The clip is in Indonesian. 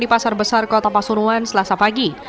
di pasar besar kota pasuruan selasa pagi